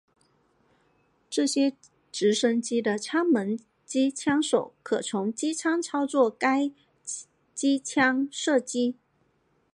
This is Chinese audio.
这些直升机的舱门机枪手可从机舱操作该机枪射击。